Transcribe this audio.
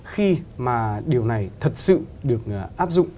khi mà điều này thật sự được áp dụng